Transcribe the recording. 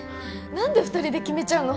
何で２人で決めちゃうの？